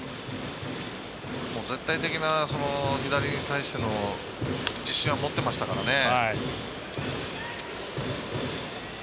絶対的な、左に対しての自信は持っていましたからね。